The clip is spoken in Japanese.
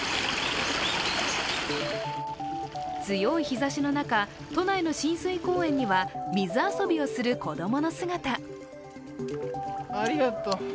強い日ざしの中、都内の親水公園には水遊びをする子供の姿。